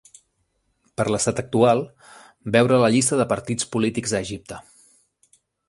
Per l'estat actual, veure la llista de partits polítics a Egipte.